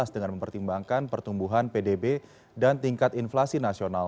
dengan mempertimbangkan pertumbuhan pdb dan tingkat inflasi nasional